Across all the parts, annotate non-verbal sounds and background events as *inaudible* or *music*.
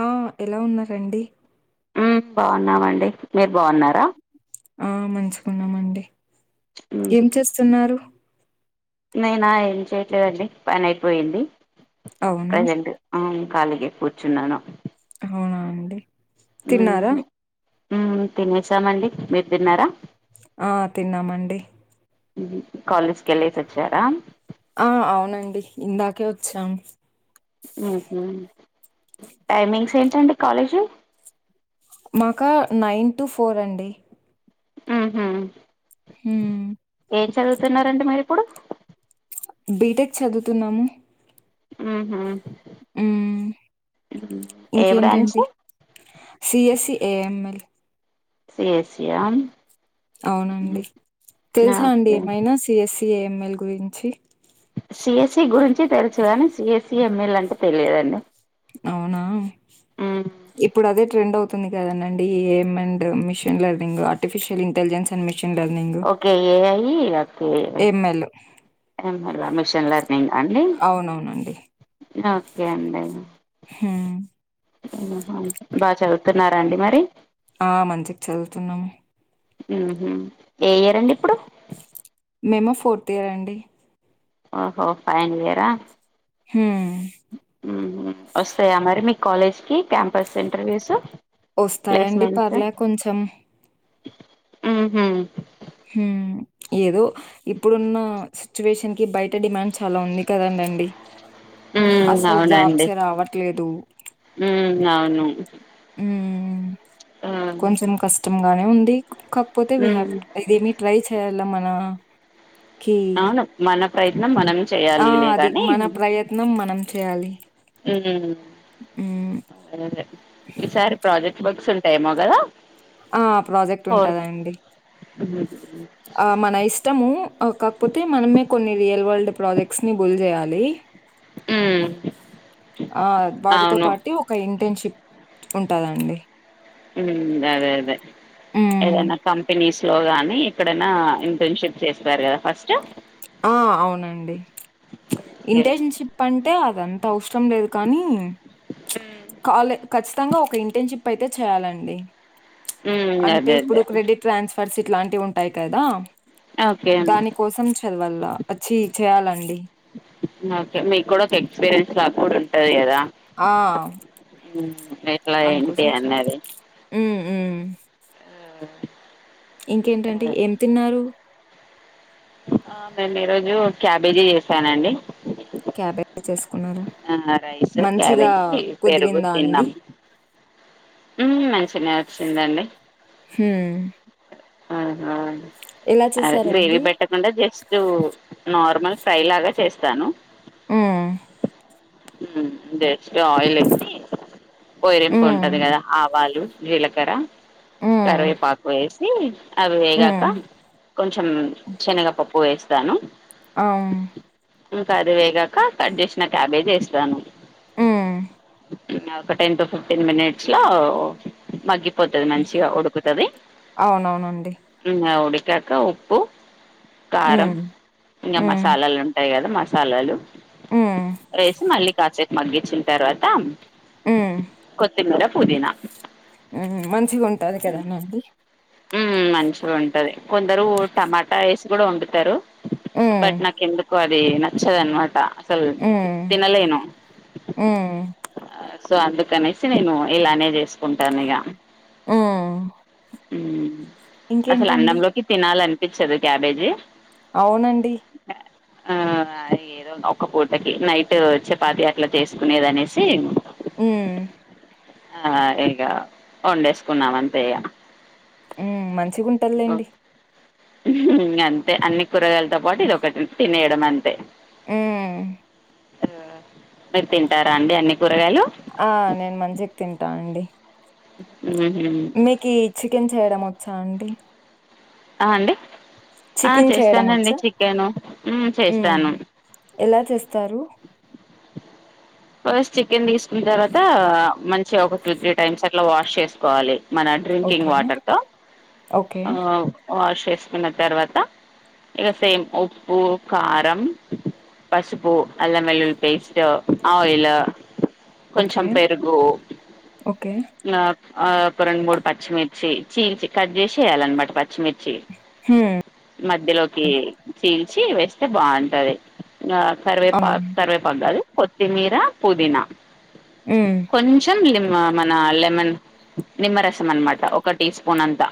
ఆ ఎలా ఉన్నారంండి ఉమ బాగున్నామండి మీరు బాగున్నారా ఆ మంచిగున్నామండి ఉమ్ ఏం చేస్తున్నారు నేనా ఏం చేయట్లేదండి పని అయిపోయింది అవునా? ప్రజెంట్ అ కాలిగె కూర్చున్నాను అవునా అండి తిన్నారా ఉమ్ ఉమ్ తినేసామండి మీర్ దిన్నారా ఆ తిన్నామండి కాలేజీకి ఎళ్లేసి వచ్చారా ఆ! అవునండి. ఇందాకే వచ్చాం ఉహు. *unintelligible* కాలేజ్ మాకా నైన్ టు ఫోర్ అండి ఉహుం హుం ఏం చదువుతున్నారండి మీరిప్పుడు బీటెక్ చదువుతున్నాము ఉహు ఉమ్ ఏ బ్రాంచ్ ఇంకేంటండి ఏ ఎమ్ ఎల్ సిఎస్సి ఆ అవునండి తెలుసా అండి ఓకే ఏమైనా సిఎస్సి ఏఎంఎల్ గురించి సిఎస్సి గురించి తెలుసు కాని సిఎస్సి ఎంఎల్ అంటే తెలియదు అండి అవునా ఇప్పుడు అదే ట్రెండ్ అవుతు ంది కదానండి A M and machine learning artificial intelligence అ మిన్ ఓకే ఏ ఐ అత్తే ఏఎంఎల్. ఎల్ మిషన్ లెర్నింగ అండి అవునవునండి. ఓకే అండి హ్మ్. ఆహా బాగా చదువుతున్నారండి మరి ఆ మంచిగ్ చదువుతున్నాము ఉహుం ఏ ఇయరండి ఇప్పుడు మేమ ఫోర్త్ ఇయర్ అండి ఓహో ఫైనల్ ఇయరా హ వస్తాయా మరి మీ కాలేజ్ కి క్యాంపస్ ఇంటర్వ్యూస్ వస్తాయండి పర్లే కొంచెం ఉహ్మ్ హుం ఏదో ఇప్పుడున్న సిచ్యువేషన్ బయట డిమాండ్ చాలా ఉంది కదండండి అసల్ జాబ్సే రావట్లేదు ఉ అవును ఉం ఆ! కొంచెం కష్టంగానే ఉం కాకపోతే వీ హవ్ హ్మ్. ఇది ఏమీ ట్రై చేయలా మన అవును మన ప్రయత్నం మనమే ఆ! చేయాలి అది లేగాని మన ప్రయత్నం మనం చేయాలి. ఉమ్ హ్మ్. అదదే ఈసారి ప్రాజెక్ట్ వర్క్స్ ఉంటాయేమో గదా ఆ ప్రాజెక్ట్ ఉంటందండి హ్మ్. ఆ మన ఇష్టము కాకపోతే మనమే కొన్ని రియల్ వల్డ్ ప్రాజెక్ట్స్ ని బుల్ చేయాలి హ్మ్. ఆ వాటితో అవును పాటు ఒక ఇంటర్న్షిప్ ఉంటదండి ఉమ్ అదే అదే హ్మ్. ఏదనా కంపెనిస్ స్లోగాని ఎక్కడైనా ఇంటర్న్షిప్ చేస్తారూ కదా ఫస్ట్ ఆ అవునండి ఉచ్ ఇంటర్న్షిప్ అంటే అదంతా అవసరం లేదు కానీ ఉచ్ కాలే ఖచ్చితంగా ఒక ఇంటర్న్షిప్ అయితే చేయాలండి ఉచ్ ఉమ్ అంటే అదే ఇప్పుడు అదే క్రెడిట్ ట్రాన్స్ ఫర్స్ ఇట్లాంటివి ఉంటాయి కదా ఓకే దాని కోసం చవల చి చేయ్యాలండి ఒకే మీ కూడా ఒక ఎక్స్పీరియన్స్ లాగ్ కూడా ఉంటది కదా ఆ ఉమ్ అందుకోసం చేయాలి ఉమ్ ఉమ్ ఇంకేంటండి హ్మ్. ఏం తిన్నారు ఆ మేము ఈరోజు క్యాబేజీ చేసానండి క్యాబేజ్ చేసుకున్నారా? ఆ రైస్ మంచిగా క్యాబేజీ పెరుగు కుదిరిందా అండి తిన్నం ఉమ్ మంచిగానే వచ్చిందండి హ్మ్ ఆ ఆ ఎలా అదే గ్రేవీ చేశారండి పెట్టకుండా జస్ట్ నార్మల్ ఫ్రై లాగా చేస్తాను ఉమ్ ఉమ్ జస్ట్ ఆయిల్ ఏసి పోయిరంపు ఉంటది హ్మ్ కదా ఆవ్ వాలు జీలకర్ర హ్మ్ కరివేపాకు వేసి అవి వేగాక హ్మ్ కొంచెం శెనగ పప్పు వేస్తాను అమ్ ఇంకా అది వేగాక కట్ చేసిన క్యాబేజ్ వేస్తాను ఉమ్ ఉమ్ ఒక టెన్ టు ఫిఫ్టీన్ మినిట్స్ లో మగి పోతది మంచిగా ఉడుకుతది అవునవునండి చకా ఉప్పు కారం హ్మ్ ఇంకా హ్మ్ మసాలాలు ఉంటాయి కదా మసాలాలు హ్మ్ వేసి మళ్ళీ కాసేపు మగ్గించిన తర్వాత కొత్తిమీర పుదీనా ఉమ్ హు మంచిగా ఉంటంది కదానండి ఉమ్ మంచిగా ఉంటది కొందరు టమాటా వేసి కూడా వండుతారు హ్మ్ బట్ నాకెందుకో అది నచ్చదనమాట అసల్ హ్మ్ తినలేను హ్మ్ సో అందుకనేసి నేను ఇలానే చేసుకుంటాను ఇగా ఉమ్ ఉమ్ అసలు అన్నంలోకి తినాలనిపించదు క్యాబేజీ అవునండి ఆ అ ఏదో ఒ పూటకి నైట్ చపాతి అట్లా చేసుకునేది అనేసి ఉమ్ ఆ ఇగ వండేసుకున్నాం అంతే ఇగ ఉమ్ మంచిగుంటది లేండి ఉమ్ హు అంతే అన్ని కూరగాయలతో పాటు ఇది ఒకటి తినేయడం అంతే ఉమ్ మ్ మీరు తింటారా అండి అన్ని కూర్ ఆ నేను మంచిక్కి తింటానండి ఉహు మీకీ చికెన్ చేయడం వచ్చా అండి అ అండి ఆ చికెన్ చేయడం చేస్తానండి వచ్చా చికెను ఉమ్ హ్మ్ చేస్తాను ఎలా చేస్తారు ఫస్ట్ చికెన్ తీసుకున్న తర్వాత మంచిగా ఒక టూ త్రీ టైమ్స్ అట్లా వాష్ చేసుకోవాలి మన డ్రింకింగ్ ఓకే. Water okay. ఆ వాష్ చేసుకున్న తర్వాత ఇక సేమ్ ఉప్పు కారం పసుపు అల్లం వెల్లుల్లి పేస్ట్ ఆయిల్ ఓకే. కొంచం పెరుగు ఓకే. ఆ ఆ ఒక రెండు మూడు పచ్చిమిర్చి చీల్చ కట్ చేసి వయాలన్నమాట ప పిచ్చిమిర్చి హ్మ్. మధ్యలోకి చి చ్చి వేస్తే బాగుంటది కరివే అవునవును. కరివేపాకు కాదు కొత్తిమీరా పుదీనా హ్మ్. కొంచం లిమి మన లెమన్ నిమ్మరసం అనమాట ఒక టీ స్పూన్ అంతా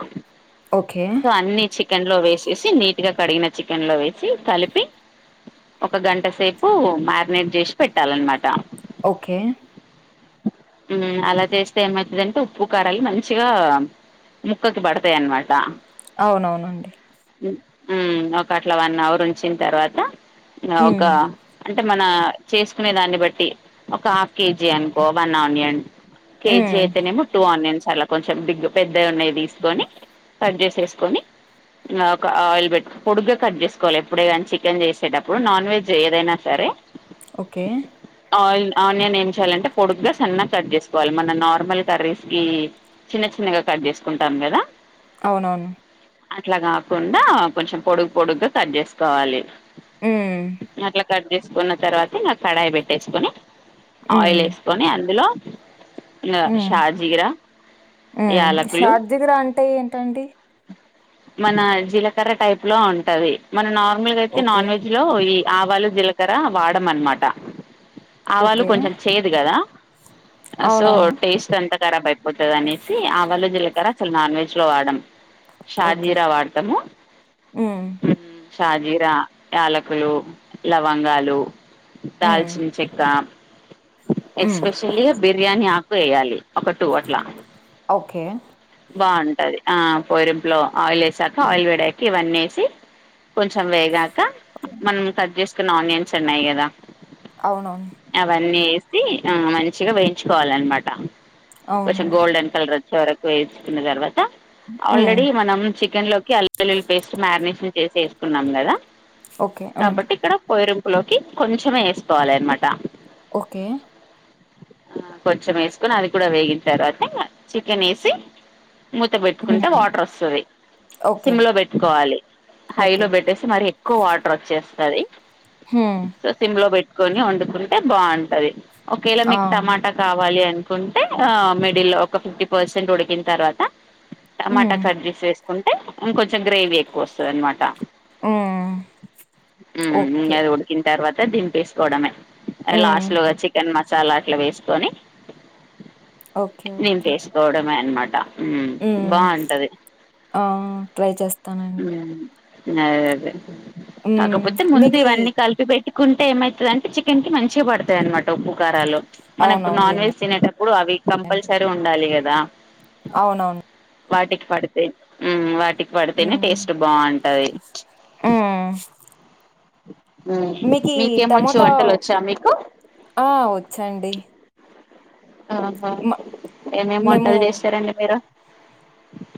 ఓకే సో అన్ని చికెన్ లో వేసేసి నీట్ గా కడిగిన చికెన్ లో వేసి కలిపి ఒక గంట సేపు పు మ్యారినేట్ చేసి పెట్టాలన్నమాట ఓకే అలా చేస్తే ఏమవుతుందంటే ఉప్పు కారాలు మంచిగా ముక్కకి పడతాయి అన్నమాట అవునవునండి ఉమ్ ఒక అట్లా వన్ అవర్ ఉంచిన తర్వాత ఒక హ్మ్. అంటే మన చేసుకునే దాన్ని బట్టి ఒక హాఫ్ కేజీ అనుకో వన్ ఆనియన్ కేజి హ్మ్. అయితేనెమో ట్వ ఆనియన్స్ చాలా కొంచెం బిగ్ పెద్దవి ఉన్నాయి తీసుకొని కట్ చేసేసుకొని ఒక ఆయిల్ పెట్టి పొడుగగా కట్ చేసుకోవాలి ఎప్పుడే కానీ చికెన్ చేసేటప్పుడు నాన్ వెజ్ ఏదైనా సరే ఓకే ఆయిల్ ఆనియన్ ఏం చెయ్యాలి అంటే పొడుగ్గా సన్నగా కట్ చేసుకోవాలి మన నార్మల్ కర్రీస్ కి చిన్న చిన్నగా కట్ చేసుకుంటాం కదా అవునవును అట్లా కాకుండా కొంచెం పొడుగు పొడుగుగా కట్ చేసుకోవాలి ఉమ్ అట్లా కట్ చేసుకున్న తర్వాత ఇలా కడాయి పెట్టేసుకొని ఆయిల్ హ్మ్. వేసుకొని అందులో ఇక షాజిరా ఉ షార్జిగర అంటే ఏంటండి మన జీలకర్ర టైప్ లో ఉంటది మన నార్మల్గా అయితే ఓకే. నాన్ వెజ్ లో ఈ ఆవాలు జీలకర్ర వాడమన్నమాట ఆవాలు ఓకే. కొంచెం చేదు కదా సో అవునవును. టేస్ట్ అంతా కర పైపోతుంది అనేసి ఆవాలు జీలకర్ర అసలు నాన్ వెజ్ లో వాడము ఓకే. షాజీరా వాడతాము హ్మ్. షాజీరా యాలకులు లవంగాలు హ్మ్. దాల్చిన చెక్కా హ్మ్. ఎస్పెషల్గా బిర్యానీ ఆకు వేయాలి ఒక టూ అట్లా ఓకే. బన్ ఆ పోరింపులో ఆయిల్ వేసాక ఆయిల్ వేడయ్యాక ఇవన్నేసి కొంచెం వేగా కా ఓకే. మనం కట్ చేసుకున్న ఆనియన్స్ ఉన్నాయి కదా అవునవును. అవన్నీ వే ఆ మంచిగా వేయించుకోవాలనమాట కొంచెం అవునులే. గోల్డెన్ కలర్ చరకు వేసుకున్న తర్వాత హ్మ్. ఆల్రెడీ మనం చికెన్ లోకి అల్లుల్లి పేస్ట్ మ్యారినేషన్ తీసుకున్నాం కదా ఓకే. హ్మ్. కాబట్టి ఇక్కడ కోయిరింపులోకి కొంచమే వేసుకోవాలి అనమాట ఓకే కొంచెం వేసుకొని అది కూడా వేగిన తర్వాత ఇక చికెన్ వేసి మూత పెట్టుకుంటే హ్మ్. వాటర్ వస్తది ఓకే. సిమ్ లో పెట్టుకోవాలి ఓకే. హైలో పెట్టేసి మరి ఎక్కువ వాటర్ వచ్చేస్ సది హ్మ్. సో సిమ్ లో పెట్టుకొని వండుకుంటే బాగుంటది ఒకేలా ఆ! మీకు టమాటా కావాలి అం కుంటే ఆ మిడిల్ లో ఒక ఫిఫ్టీ పర్సెంట్ ఉడికిన తర్వాత టమాటా హ్మ్. కట్ చేసి కుంటే ఇంకొంచెం గ్రేవీ ఎక్కువ వస్తది అనమాట ఆ అది ఉడికిన తర్వాత దిపేసుకోవడమే అది హ్మ్. లాస్ట్ లో చికెన్ మా చల అట్లు వేసుకొని ఓకే. నేను ఓకే. నింపేసుకోవడమే అనమాట హ్మ్. బాగుంటది ఆ! ట్రై చేస్తానండి. ఇకా అదే అదే హ్మ్. కాకపోతే ముందు మీకీ ఇవన్నీ కలిపి పెట్టుకుంటే ఏమైతది అంటే చికెన్ కి మంచిగా పడుతాయి అనమాట ఉప్పు కారాలు మన ఇప్పుడు నాన్ అవునవునులెండి. వెజ్ తినేటప్పుడు అవి అండి. కంపల్సరీ ఉండాలి కదా అవునవును వాటికి పడితే వాటికి పడితేనే టేస్ట్ బాగుంటది ఉ *inaudible* మీకేమొచ్చు టమోటా వంటలు వచ్చా మీకు ఆ! ఒచ్చండి. ఆహా మ ఏమేమి వంటలు చేస్తారండి మీరు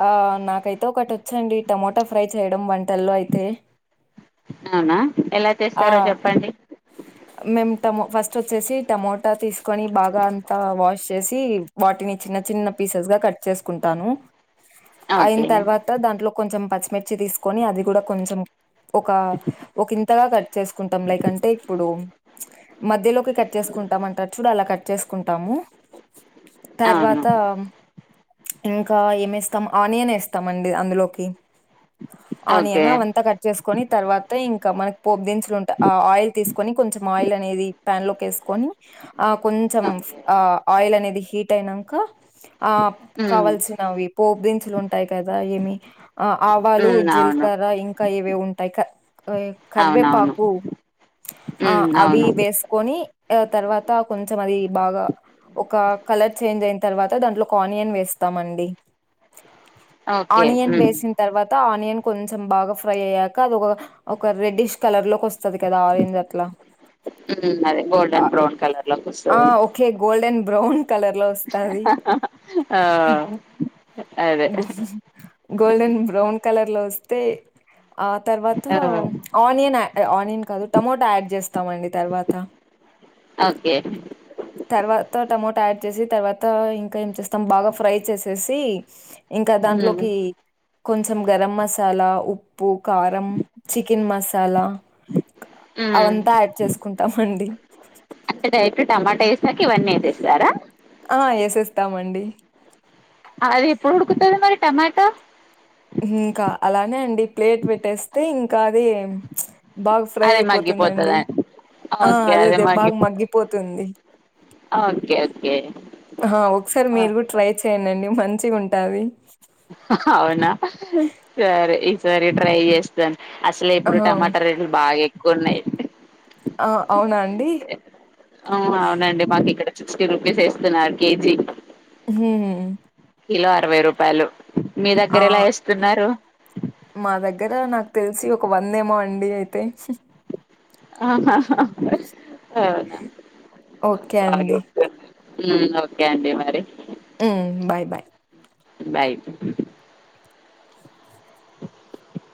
ఆ నాకైతే ఒకటి వచ్చండి టమోటా ఫ్రై చేయడం వంటల్లో అయితే అవునా ఎలా ఆ చేస్తారో చెప్పండి మేము టము ఫస్ట్ వచ్చేసి టమోటా తీసుకొని బాగా అంతా వాష్ చేసి వాటిని చిన్న చిన్న పీసెస్ గా కట్ చేసుకుంటా తాను అయిన ఓకే తర్వాత దాంట్లో కొంచెం పచ్చిమిర్చి తీసుకొని అది కూడా కొంచెం ఒక ఒక ఇంతగా కట్ చేసుకుంటాం లైక్ అంటే ఇప్పుడు మధ్యలోకి కట్ చేసుకుంటాం అంటారు చూడు అలా కట్ చేసుకుంటాము అవును తర్వాత ఇంకా ఏమేస్తాం ఆనియన్ వేస్తామండి అందులోకి ఓకే ఆనియన్ అవంతా కట్ చేసుకొని తర్వాత ఇంకా మనకి పోపుదిన్సు ఆ ఆయిల్ తీసుకొని కొంచెం ఆయిల్ అనేది ప్యాన్ లో తీసుకోని ఆ కొంచెం ఓకే ఆ ఆయిల్ అనేది హీట్ అయినంక ఆ ఉమ్ కావాల్సినవి పోపు దిసులు ఉంటాయి కదా ఏమి ఆ ఆవాలు ఉమ్ జి అవును లకర ఇంకా ఇవి ఉంటాయి క అవునవును కరివేపాకు ఆ ఉమ్ అవి అవును వేసుకొని ఆ తర్వాత కొంచెం అది బాగా ఒక కలర్ చేంజ్ అయిన తర్వాత దాంట్లో ఒక ఆనియన్ వేస్తామండి ఓకే ఆనియన్ ఉమ్ వేసిన తర్వాత ఆనియన్ కొంచెం బాగా ఫ్రై అయ్యాక అది ఒక రెడ్డిష్ కలర్ లో వస్ వస్తది కదా అదేందట్ల ఉమ్ అదే గోల్డ్ ఆ అండ్ బ్రౌన్ కలర్ లోకి ఆ వస్తది ఓకే గోల్డెన్ బ్రౌన్ కలర్‌లో వస్తాది. ఆ అదే గోల్ గోల్డెన్ బ్రౌన్ కలర్ లో వస్తే ఆ తర్వాత ఆ ఆనియన్ ఆనియన్ కాదు టమోటా యాడ్ చేస్తామండి తర్వాత అవ్ తర్వాత టమొ తయారు చేసి తర్వాత ఇంకా ఏం చేస్తాం బాగా ఫ్రై చేసేసి ఇంకా ఉమ్ దాంట్లోకి కొంచెం గరం మసాలా ఉ ప్పు కారం చికెన్ మసాలా ఉమ్ అవంతా యాడ్ చేసుకుంటామండి చేసినాక ఇవన్నీ ఏసేస్తారా ఆ ఎసేస్తామండి అది ఎప్పుడు ఉడుకుతది మరి టమాట ఇంకా అలానే అండి ప్లేట్ పెట్టేస్తే ఇంకా అది బాగా ఫ్రై అయిపోత పోతదా ఆ అదే అదే బాగా మగ్గిపోతుంది ఓకే ఆ ఒకసారి మీరు కూడా ఓకే ట్రై చెయండండి మంచిగ ఉంటది అవునా సరే ఈ సారి ట్రై చేస్తాను అసలే ఆ! ఇప్పుడు టమాటా రేట్లు బాగా ఎక్కువున్నయి ఆ అవునా అండి అవునవునండి మాకు ఇక్కడ సిక్స్టీ రూపీస్ వేస్తున్నారు కేజీ హుమ్ కిలో అరవై రూపాయలు మీ దగ్గర ఆ ఎలా వేస్తున్నారు మా దగ్గర నాకు తెలిసి ఒక వంద ఏమో అండి అయితే ఆహా అవునా ఓకే అండి. మ్ ఓకే అండి మరి మ్ బాయ్ బాయ్ బాయ్